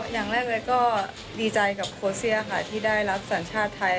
อย่างแรกเลยก็ดีใจกับโคเซียค่ะที่ได้รับสัญชาติไทย